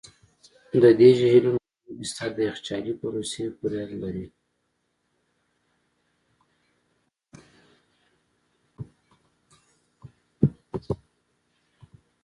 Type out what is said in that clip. د دې جهیلونو لومړني بستر د یخچالي پروسې پورې اړه لري.